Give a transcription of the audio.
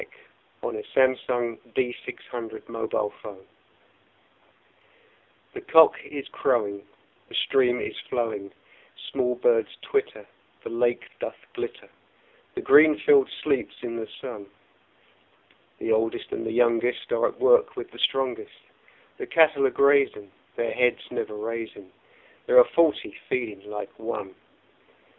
William Wordsworth Written in March THE cock is crowing, The stream is flowing, The small birds twitter, The lake doth glitter The green field sleeps in the sun; The oldest and youngest Are at work with the strongest; The cattle are grazing, Their heads never raising; There are forty feeding like one!